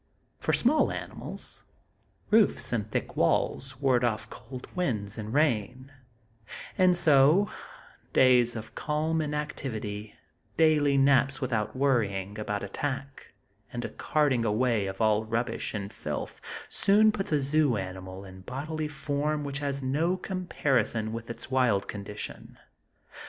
For small animals, roofs and thick walls ward off cold winds and rain; and so, days of calm inactivity, daily naps without worrying about attack; and a carting away of all rubbish and filth soon puts a zoo animal in bodily form which has no comparison with its wild condition.